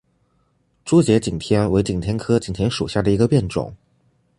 珠节景天为景天科景天属下的一个变种。